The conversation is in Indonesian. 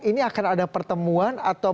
ini akan ada pertemuan atau